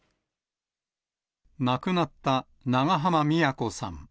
亡くなった長濱美也子さん。